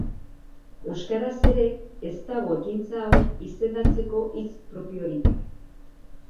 Euskaraz ere ez dago ekintza hau izendatzeko hitz propiorik.